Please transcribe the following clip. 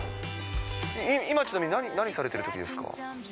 今、ちなみに何されてるときですか？